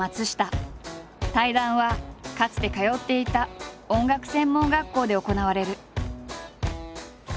対談はかつて通っていた音楽専門学校で行われる。